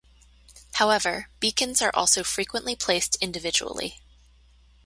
However, beacons are also frequently placed individually.